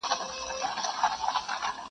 ټوله پنجاب به کړې لمبه که خیبر اور واخیست,